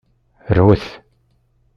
Rwet.